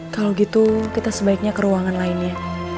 kalau gitu kita sebaiknya ke ruangan lainnya